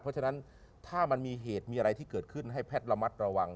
เพราะฉะนั้นถ้ามันมีเหตุมีอะไรที่เกิดขึ้นให้แพทย์ระมัดระวัง